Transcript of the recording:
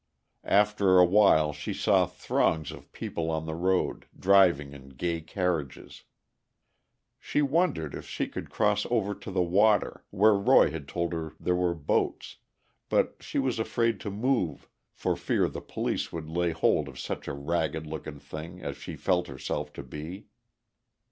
After a while she saw throngs of people on the road, driving in gay carriages. She wondered if she could cross over to the water, where Roy had told her there were boats; but she was afraid to move, for fear the police would lay hold of such a ragged looking thing as she felt herself to be.